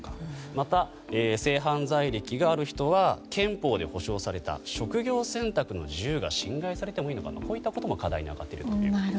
また、性犯罪歴がある人は憲法で保障された職業選択の自由が侵害されてもいいのかなどこういったことも課題に挙がっているということです。